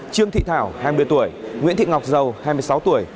trương thị thảo hai mươi tuổi nguyễn thị ngọc dầu hai mươi sáu tuổi